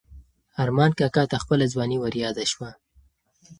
ارمان کاکا ته خپله ځواني وریاده شوه.